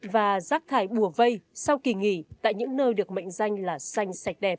và rác thải bùa vây sau kỳ nghỉ tại những nơi được mệnh danh là xanh sạch đẹp